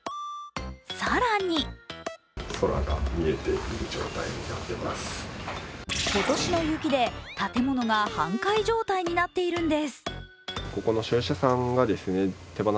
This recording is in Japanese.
更に今年の雪で建物が半壊状態になっているんです。